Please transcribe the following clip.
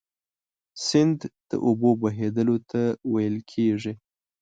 سیند د اوبو بهیدلو ته ویل کیږي.